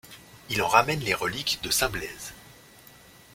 Il en ramène les reliques de saint Blaise.